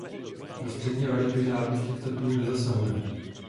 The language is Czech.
Do střední Evropy žádný z těchto druhů nezasahuje.